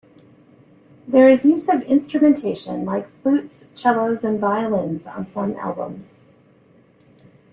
There is use of instrumentation like flutes, cellos and violins on some albums.